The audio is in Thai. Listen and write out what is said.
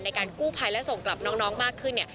ในการกู้พันด์และส่งกลับน้องมากขึ้น